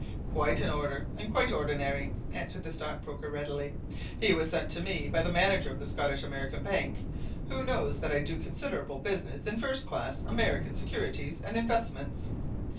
"Quite in order, and quite ordinary," answered the stockbroker readily. "He was sent to me by the manager of the Scottish American Bank, who knows that I do a considerable business in first class American securities and investments.